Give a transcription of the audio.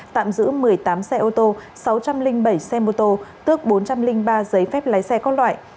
tạm giữ một mươi tám xe ô tô sáu trăm linh bảy xe mô tô tước bốn trăm linh ba giấy phép lái xe các loại